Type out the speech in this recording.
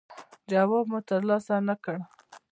جواب مو ترلاسه نه کړ.